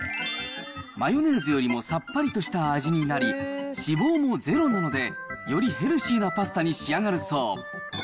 マヨネーズよりもさっぱりとした味になり、脂肪もゼロなので、よりヘルシーなパスタに仕上がるそう。